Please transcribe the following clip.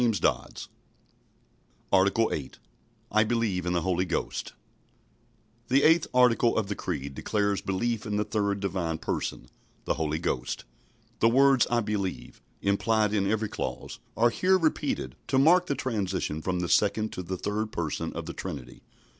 ARTICLE 8 I believe in the Holy Ghost The eighth article of the Creed declares belief in the third Divine Person the Holy Ghost. The words "I believe," implied in every clause, are here repeated, to mark the transition from the Second to the Third Person of the Trinity.